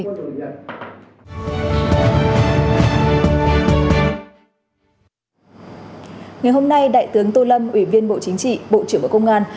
ngày hôm nay đại tướng tô lâm ủy viên bộ chính trị bộ trưởng bộ công an